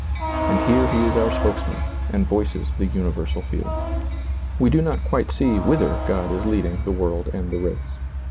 And here he is our spokesman, and voices the universal feeling. We do not quite see whither God is leading the world and the race.